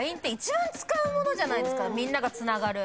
みんながつながる。